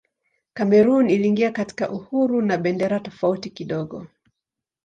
Kamerun iliingia katika uhuru na bendera tofauti kidogo.